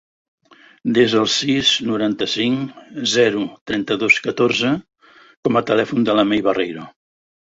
Desa el sis, noranta-cinc, zero, trenta-dos, catorze com a telèfon de la Mei Barreiro.